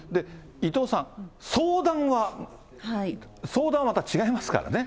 伊藤さん、相談はまた違いますからね。